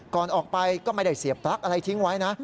ก่อนออกไปก็ไม่ได้เสียบปลั๊กอะไรทิ้งไว้นะ